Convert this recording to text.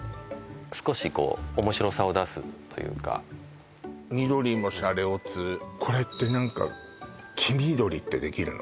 少し面白さを出すというか緑もシャレオツこれって何か黄緑ってできるの？